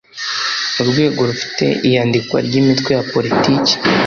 urwego rufite iyandikwa ry’imitwe ya Politiki